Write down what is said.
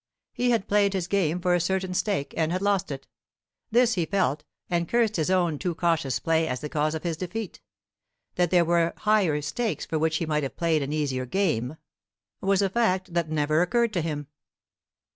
He had played his game for a certain stake, and had lost it. This he felt, and cursed his own too cautious play as the cause of his defeat. That there were higher stakes for which he might have played an easier game, was a fact that never occurred to him.